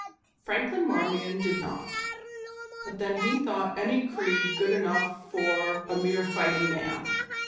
Franklin Marmion did not, but then he thought any creed good enough for "a mere fighting man."